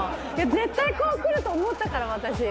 絶対こうくると思ったから私。